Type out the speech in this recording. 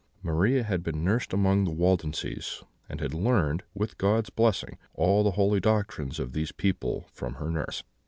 Maria had been nursed among the Waldenses, and had learned, with God's blessing, all the holy doctrines of these people from her nurse.